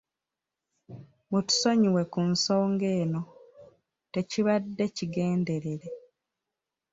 Mutusonyiwe ku nsonga eno, tekibadde kigenderere.